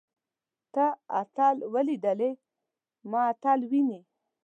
تۀ اتل وليدلې. ته اتل وينې؟